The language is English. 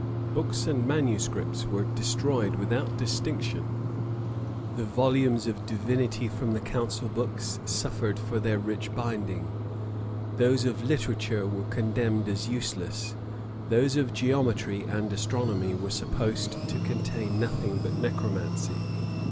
Books and manuscripts were destroyed without distinction: the volumes of divinity from the council books, suffered for their rich binding: those of literature were condemned as useless: those of geometry and astronomy were supposed to contain nothing but necromancy.